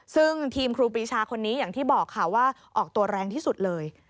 ซึ่งทีมครูปรีชาคนนี้อย่างที่บอกค่ะว่าออกตัวแรงที่สุดเลย